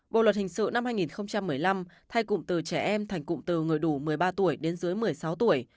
bộ luật hình sự năm hai nghìn một mươi năm thay cụm từ trẻ em thành cụm từ người đủ một mươi ba tuổi đến dưới một mươi sáu tuổi